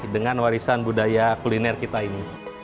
dengan warisan budaya kuliner kita ini